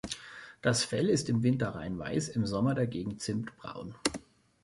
Das Fell ist im Winter reinweiß, im Sommer dagegen zimtbraun.